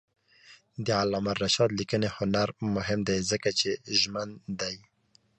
د علامه رشاد لیکنی هنر مهم دی ځکه چې ژمن دی.